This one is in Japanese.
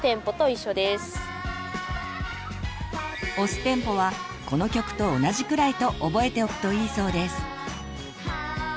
押すテンポはこの曲と同じくらいと覚えておくといいそうです。